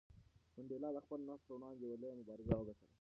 منډېلا د خپل نفس پر وړاندې یوه لویه مبارزه وګټله.